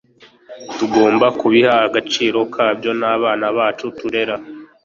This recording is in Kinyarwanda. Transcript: dukwiye kubiha agaciro kabyo n'abana bacu turera